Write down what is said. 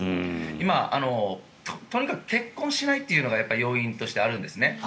今とにかく結婚しないというのが要因としてあるんですね。